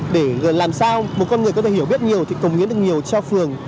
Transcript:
để làm sao một con người có thể hiểu biết nhiều thì cống hiến được nhiều cho phường